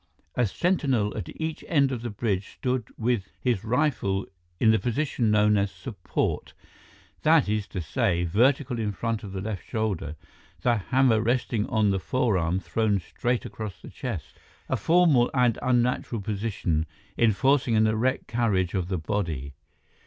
A sentinel at each end of the bridge stood with his rifle in the position known as "support," that is to say, vertical in front of the left shoulder, the hammer resting on the forearm thrown straight across the chest—a formal and unnatural position, enforcing an erect carriage of the body.